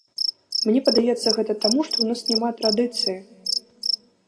Мне падаецца гэта таму, што ў нас няма традыцыі.